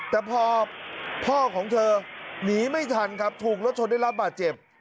แต่พอพ่อของเธอหนีไม่ทันครับถูกรถชนได้รับบาดเจ็บ